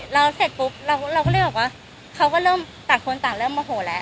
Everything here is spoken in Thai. แล้วเสร็จปุ๊บเราก็เลยบอกว่าเขาก็เริ่มต่างคนต่างเริ่มโมโหแล้ว